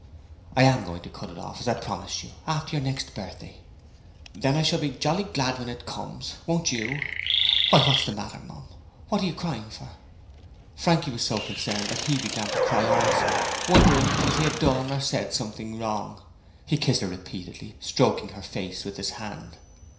'I am going to cut it as I promised you, after your next birthday.' 'Then I shall be jolly glad when it comes. Won't you? Why, what's the matter, Mum? What are you crying for?' Frankie was so concerned that he began to cry also, wondering if he had done or said something wrong. He kissed her repeatedly, stroking her face with his hand.